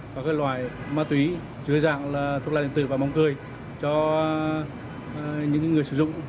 các loại ma túy dưới dạng là thuốc lá điện tử và bóng cười cho những người sử dụng